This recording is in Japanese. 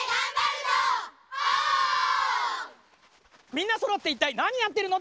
みんなそろっていったいなにやってるの？